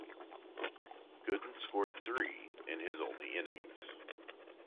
Gooden scored three in his only innings.